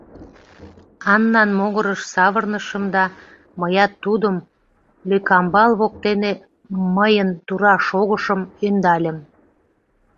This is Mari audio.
Аннан могырыш савырнышым да мыят тудым, лӧкамбал воктене мыйын тура шогышым, ӧндальым.